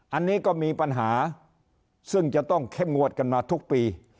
อันนี้ก็มีปัญหาซึ่งจะต้องเข้มงวดกันมาทุกปี